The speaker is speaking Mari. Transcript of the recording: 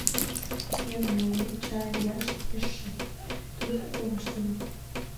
Еҥ ойлен, чара верыште пеш шып: тудым колыштыныт.